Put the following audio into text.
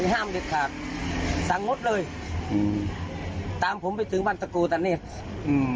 ห้ามเด็ดขาดสั่งงดเลยอืมตามผมไปถึงบ้านตะกูตอนนี้อืม